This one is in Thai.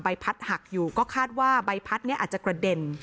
พัดหักอยู่ก็คาดว่าใบพัดนี้อาจจะกระเด็น